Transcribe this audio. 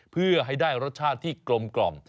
เพื่อให้ได้รสชาติที่กลม